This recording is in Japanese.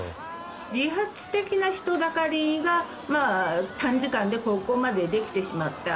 自発的な人だかりが、短時間でここまでできてしまった。